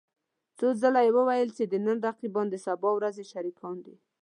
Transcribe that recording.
څو ځله يې وويل چې د نن رقيبان د سبا ورځې شريکان دي.